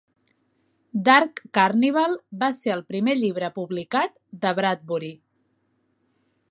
"Dark Carnival" va ser el primer llibre publicat de Bradbury.